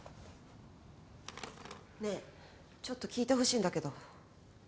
ねえちょっと聞いてほしいんだけど。